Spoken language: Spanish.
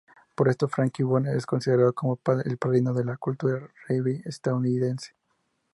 Por esto, Frankie Bones es considerado como "el padrino" de la cultura rave estadounidense.